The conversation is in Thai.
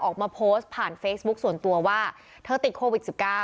ออกมาโพสต์ผ่านเฟซบุ๊คส่วนตัวว่าเธอติดโควิด๑๙